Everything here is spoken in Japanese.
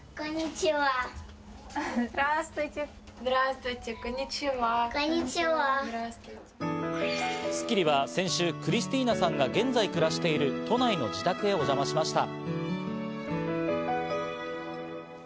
『スッキリ』は先週、クリスティーナさんが現在暮らしている都内の自宅へおじゃましました。